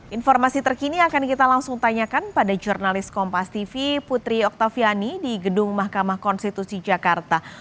informasi terkini akan kita langsung tanyakan pada jurnalis kompas tv putri oktaviani di gedung mahkamah konstitusi jakarta